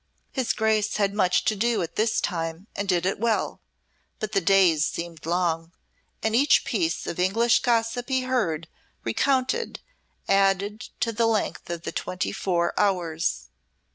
His Grace had much to do at this time and did it well, but the days seemed long, and each piece of English gossip he heard recounted added to the length of the twenty four hours.